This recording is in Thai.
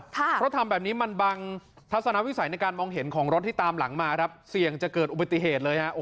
เพราะทำแบบนี้มันบังทัศนวิสัยในการมองเห็นของรถที่ตามหลังมาครับเสี่ยงจะเกิดอุบัติเหตุเลยฮะ